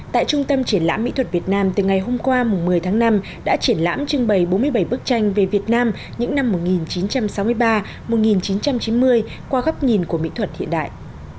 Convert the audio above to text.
tại trung tâm triển lãm mỹ thuật việt nam từ ngày hôm qua một mươi tháng năm đã triển lãm trưng bày bốn mươi bảy bức tranh về việt nam những năm một nghìn chín trăm sáu mươi ba một nghìn chín trăm chín mươi qua góc nhìn của mỹ thuật hiện đại